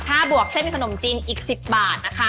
ถ้าบวกเส้นขนมจีนอีก๑๐บาทนะคะ